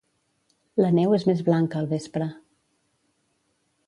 La neu és més blanca al vespre